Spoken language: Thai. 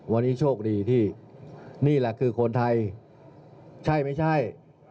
วันนี้โชคดีที่นี่แหละคือคนไทยใช่ไม่ใช่